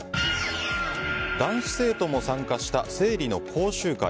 男子生徒も参加した生理の講習会。